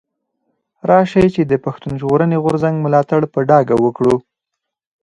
راشئ چي د پښتون ژغورني غورځنګ ملاتړ په ډاګه وکړو.